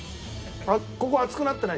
ここ熱くなってない？